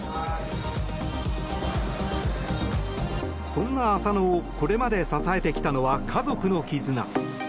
そんな浅野をこれまで支えてきたのは家族の絆。